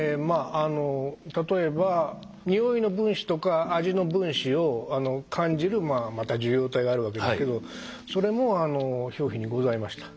例えばにおいの分子とか味の分子を感じるまた受容体があるわけですけどそれも表皮にございました。